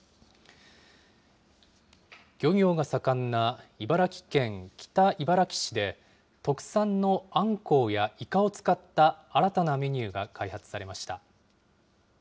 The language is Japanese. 漁業が盛んな茨城県北茨城市で、特産のあんこうやいかを使った新たなメニューが開発されました。